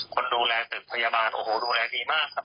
คนดูแลตึกพยาบาลโอ้โหดูแลดีมากครับ